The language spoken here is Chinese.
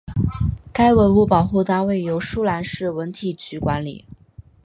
该文物保护单位由舒兰市文体局管理。